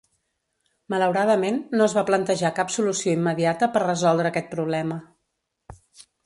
Malauradament, no es va plantejar cap solució immediata per resoldre aquest problema.